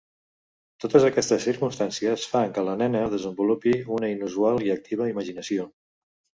Totes aquestes circumstàncies fan que la nena desenvolupi una inusual i activa imaginació.